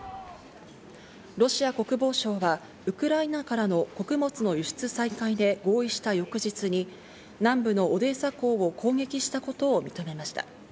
ロシア国防省は、ウクライナからの穀物の輸出再開で合意した翌日に南部のオデーサ港を攻撃したことを認めました。